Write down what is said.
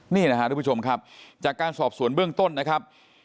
นี่นะครับทุกผู้ชมครับจากการสอบสวนเบื้องต้นนะครับ